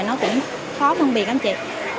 nó cũng khó phân biệt